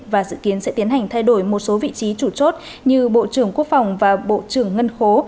và dự kiến sẽ tiến hành thay đổi một số vị trí chủ chốt như bộ trưởng quốc phòng và bộ trưởng ngân khố